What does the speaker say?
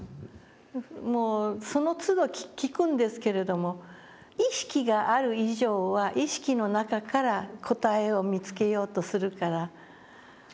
もうそのつど聞くんですけれども意識がある以上は意識の中から答えを見つけようとするから。